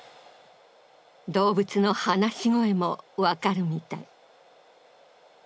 動物の話し声も分かるみたい。